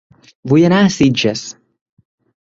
Vull anar a Sitges